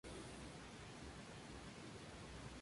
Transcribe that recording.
Colinda sectores del Parque Nacional de Boa Nova.